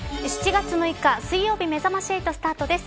７月６日水曜日めざまし８スタートです。